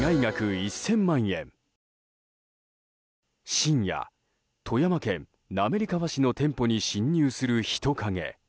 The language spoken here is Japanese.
深夜、富山県滑川市の店舗に侵入する人影。